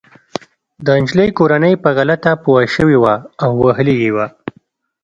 د انجلۍ کورنۍ په غلطه پوه شوې وه او وهلې يې وه